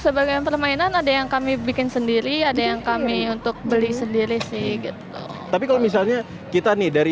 sebagai mainan ada yang kami bikin sendiri ada yang kami untuk beli sendiri sih gitu tapi kalau misalnya